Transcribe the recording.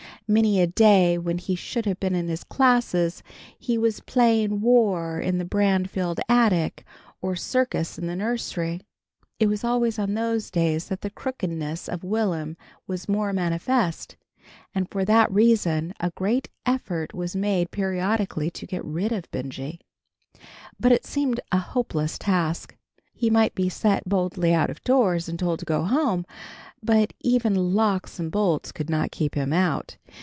Many a day when he should have been in his classes, he was playing War in the Branfield attic, or Circus in the nursery. It was always on those days that the crookedness of Will'm was more manifest, and for that reason, a great effort was made periodically to get rid of Benjy. But it seemed a hopeless task. He might be set bodily out of doors and told to go home, but even locks and bolts could not keep him out.